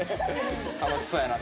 楽しそうやな。